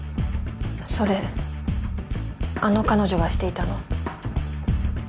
それあの彼女がしていたの。